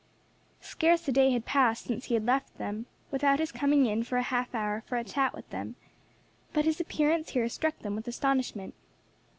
Scarce a day had passed since he had left them without his coming in for a half hour for a chat with them, but his appearance here struck them with astonishment.